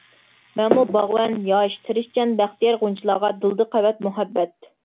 مەنمۇ باغۋەن ياش، تىرىشچان، بەختىيار، غۇنچىلارغا دىلدا قەۋەت مۇھەببەت.